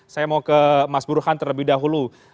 saya mau ke mas burhan terlebih dahulu